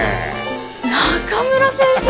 中村先生！